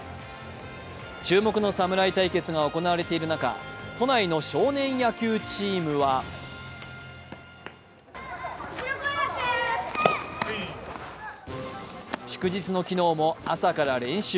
注目の侍対決が行われている中、都内の少年野球チームは祝日の昨日も朝から練習。